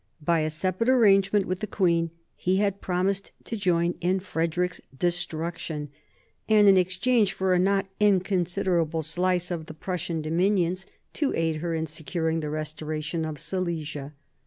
By a separate arrangement with the queen he had promised to join in Frederick's destruction, and, in exchange for a not inconsiderable slice of the Prussian dominions, to aid her in securing the restoration of Silesia.